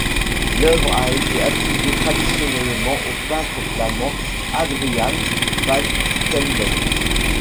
L'œuvre a été attribué traditionnellement au peintre flamand Adriaen van Stalbemt.